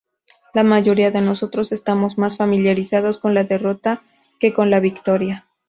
La mayoría de nosotros estamos más familiarizados con la derrota que con la victoria.